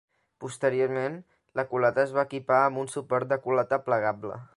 Posteriorment, la culata es va equipar amb un suport de culata plegable.